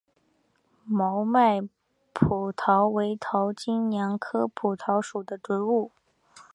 毛脉蒲桃为桃金娘科蒲桃属的植物。